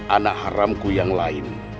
anak haramku yang lain